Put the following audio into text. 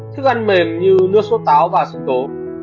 thức ăn mềm như nước sốt táo và sinh tố